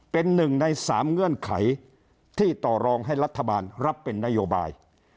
เป็นหนึ่งใน๓เงื่อนไขที่ต่อรองให้รัฐบาลรับเป็นนโยบาย